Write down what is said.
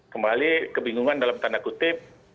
kembali kebingungan dalam tanda kutip